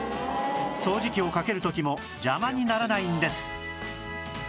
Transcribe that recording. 掃除機をかける時も邪魔にならないんです